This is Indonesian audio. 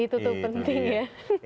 itu tuh penting ya